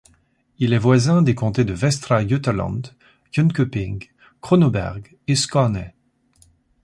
Il est voisin des comtés de Västra Götaland, Jönköping, Kronoberg et Skåne.